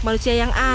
boleh mikirkan itu